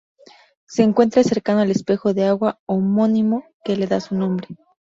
Se encuentra cercano al espejo de agua homónimo, que le da su nombre.